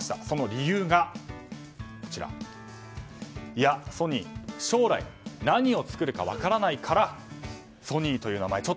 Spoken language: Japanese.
その理由が、ソニー将来何を作るか分からないからソニーという名前。